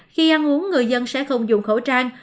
khi ăn uống người dân sẽ không dùng khẩu trang